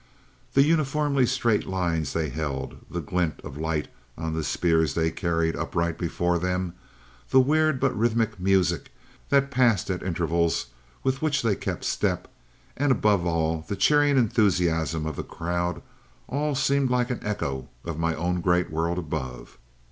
"The uniformly straight lines they held; the glint of light on the spears they carried upright before them; the weird, but rhythmic, music that passed at intervals, with which they kept step; and, above all, the cheering enthusiasm of the crowd, all seemed like an echo of my own great world above.